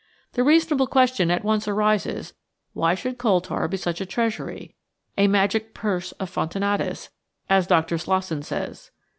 The reasonable question at once arises, why should coal tar be such a treasury "a magic purse of Fortunatus," as Dr. Slos son says?